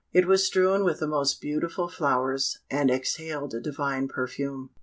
It was strewn with the most beautiful flowers, and exhaled a divine perfume.